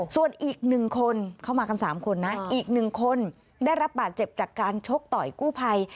ส่วนอีก๑คนเข้ามากัน๓คนนะอีก๑คนได้รับบาดเจ็บจากการชกต่อยกู้ภัย